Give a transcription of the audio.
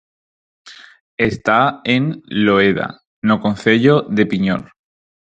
Está en Loeda, no Concello de Piñor.